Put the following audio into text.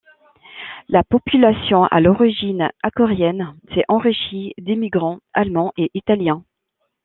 La population, à l'origine acorienne, s'est enrichie d'immigrants allemands et italiens.